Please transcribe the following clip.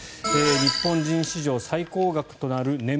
日本人史上最高額となる年俸